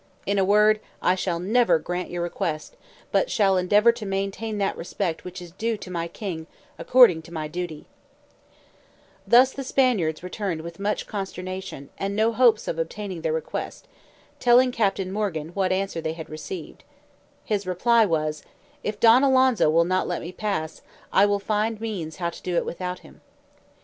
In a word, I shall never grant your request, but shall endeavour to maintain that respect which is due to my king, according to my duty." [Illustration: "MORGAN DIVIDING THE TREASURE TAKEN AT MARACAIBO" Page 166] Thus the Spaniards returned with much consternation, and no hopes of obtaining their request, telling Captain Morgan what answer they had received: his reply was, "If Don Alonso will not let me pass, I will find means how to do it without him."